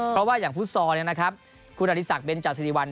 เพราะว่าอย่างฟุตซอลคุณอริสักเบนจาสิริวัล